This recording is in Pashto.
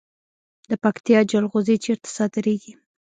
د پکتیا جلغوزي چیرته صادریږي؟